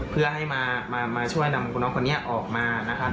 เพื่อให้มาช่วยนำคุณน้องคนนี้ออกมานะครับ